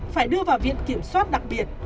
phải đưa vào viện kiểm soát đặc biệt